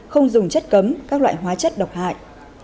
không dùng chất cấm các loại hóa chất độc hại